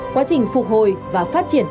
quá trình phục hồi và phát triển